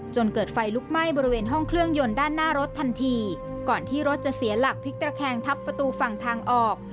จนเกิดไฟลุกไหม้บริเวณห้องเครื่องยนต์ด้านหน้ารถทันทีก่อนที่รถจะเสียหลักพลิกตะแคงทับประตูฝั่งทางออก